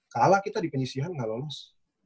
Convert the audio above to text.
kalah kita di penyisihan nggak lolos